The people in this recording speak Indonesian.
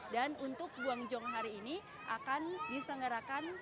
dan untuk buangjong hari ini akan diselenggarakan